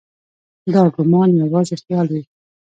دا ګومان یوازې خیال وي.